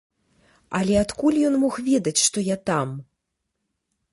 Але адкуль ён мог ведаць, што я там?